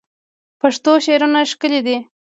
پښتو شعرونه ښکلي دي